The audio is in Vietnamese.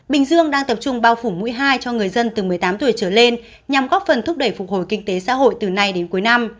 bình dương đang tập trung bao phủ mũi hai cho người dân từ một mươi tám tuổi trở lên nhằm góp phần thúc đẩy phục hồi kinh tế xã hội từ nay đến cuối năm